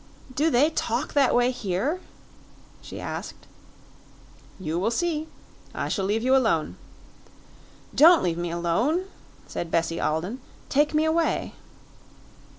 "Do they talk that way here?" she asked. "You will see. I shall leave you alone." "Don't leave me alone," said Bessie Alden. "Take me away."